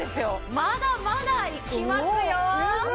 まだまだいきますよ！